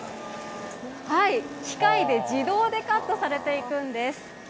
機械で自動でカットされていくんです。